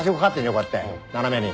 こうやって斜めに。